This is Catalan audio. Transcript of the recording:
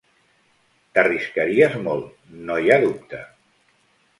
T'arriscaries molt, no hi ha dubte.